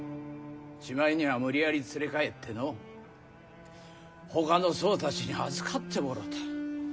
しまいには無理やり連れ帰ってのほかの僧たちに預かってもろた。